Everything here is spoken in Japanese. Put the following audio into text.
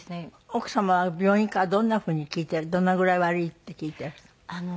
奥様は病院からどんなふうに聞いてどのぐらい悪いって聞いていらしたの？